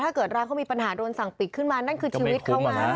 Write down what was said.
ถ้าเกิดร้านเขามีปัญหาโดนสั่งปิดขึ้นมานั่นคือชีวิตเขาไง